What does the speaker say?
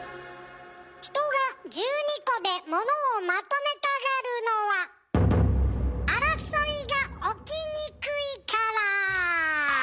人が１２個で物をまとめたがるのは争いが起きにくいから！